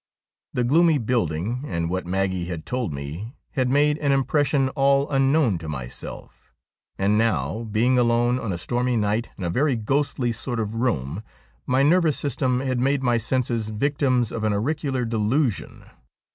The gloomy building and what Maggie had told me had made an impression all unknown to myself, and now, being alone on a stormy night in a very ghostly sort of room, my nervous system had made my senses victims of an auricular delusion.